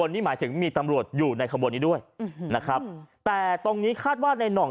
นี่หมายถึงมีตำรวจอยู่ในขบวนนี้ด้วยนะครับแต่ตรงนี้คาดว่าในน่อง